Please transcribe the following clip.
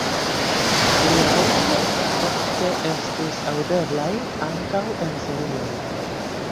Lia voĉo ofte estis aŭdeblaj ankaŭ en serioj.